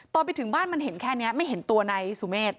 ตอนไปถึงบ้านมันเห็นแค่นี้ไม่เห็นตัวนายสุเมฆ